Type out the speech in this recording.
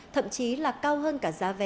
thậm chí là cao hơn cả giá vé